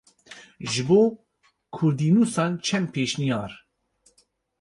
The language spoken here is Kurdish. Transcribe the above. Ji bo kurdînûsan çend pêşniyar.